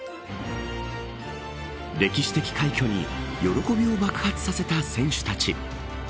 歴史的快挙に喜びを爆発させた選手たち。